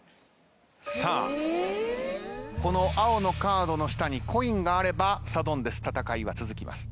さあこの青のカードの下にコインがあればサドンデス戦いは続きます。